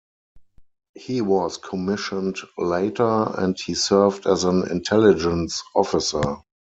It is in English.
He was commissioned later, and he served as an intelligence officer.